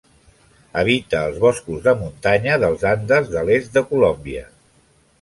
Habita els boscos de muntanya dels Andes de l'est de Colòmbia.